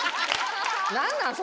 何なん？